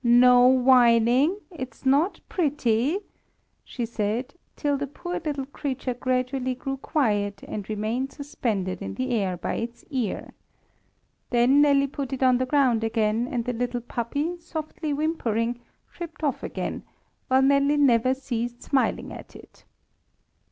no whining! It's not pretty,' she said, till the poor little creature gradually grew quiet, and remained suspended in the air by its ear. Then Nelly put it on the ground again, and the little puppy, softly whimpering, tripped off again, while Nelly never ceased smiling at it.